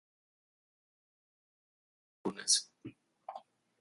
Estafas y fraudes comunes